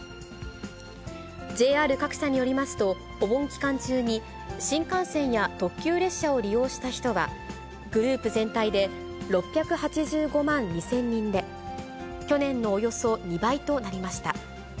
ＪＲ各社によりますと、お盆期間中に新幹線や特急列車を利用した人は、グループ全体で６８５万２０００人で、去年のおよそ２倍となりました。